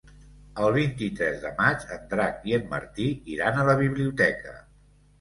El vint-i-tres de maig en Drac i en Martí iran a la biblioteca.